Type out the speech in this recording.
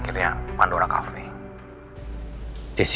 akhirnya pandora pandora itu menangis saya